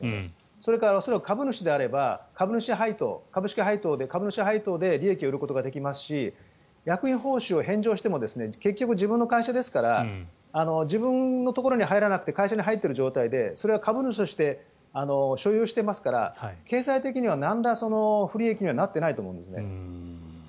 それから恐らく株主であれば株主配当、株式配当で利益を得ることができますし役員報酬を返上しても結局、自分の会社ですから自分のところに入らなくて会社に入っている状態でそれは株主として所有していますから経済的にはなんら不利益にはなってないと思うんですね。